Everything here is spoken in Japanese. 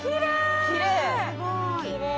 きれい。